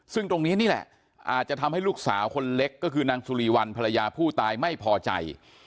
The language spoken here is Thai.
ซึ่งตรงนี้นี่แหละอาจจะทำให้ลูกสาวคนเล็กก็คือนางสุรีวันภรรยาผู้ตายไม่พอใจ